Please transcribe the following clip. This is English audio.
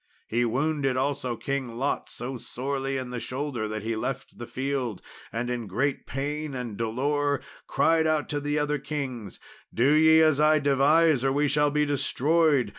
He wounded also King Lot so sorely in the shoulder that he left the field, and in great pain and dolour cried out to the other kings, "Do ye as I devise, or we shall be destroyed.